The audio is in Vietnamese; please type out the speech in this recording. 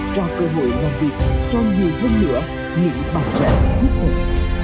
trao cơ hội làm việc cho nhiều lúc nữa những bạn trẻ thích thật